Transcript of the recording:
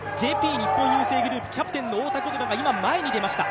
日本郵政グループ、キャプテンの太田琴菜が今、前に出ました。